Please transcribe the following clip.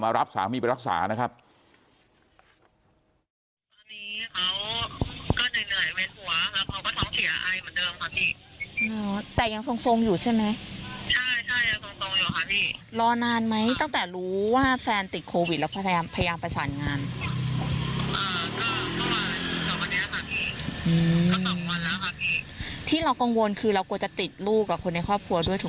รับสามีไปรักษานะครับ